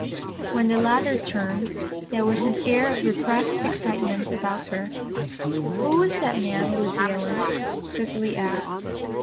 When the latter turned there was an air of repressed excitement about her. "Who was that man, Lucy Ellen?" Cecily asked.